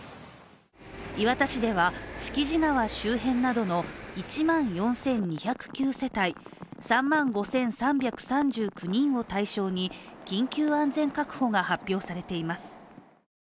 磐田市では敷地川周辺などの１万４２０９世帯、３万５３３９人を対象に緊急安全確保が発表されています。